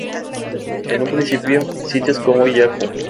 En un principio, sitios como Yahoo!